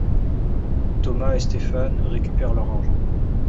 Thomas et Stéphane récupèrent leur argent.